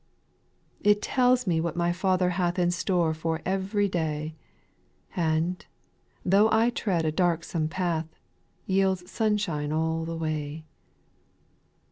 SPIRITUAL SONGS. 191 4. It tells me what my Father hath In store for ev'ry day, And, though I tread a darksome path, Yields sunshine all the way.